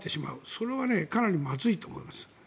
それはかなりまずいと思います。